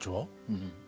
うん。